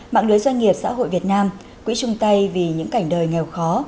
mạng lưới doanh nghiệp xã hội việt nam quỹ trung tây vì những cảnh đời nghèo khó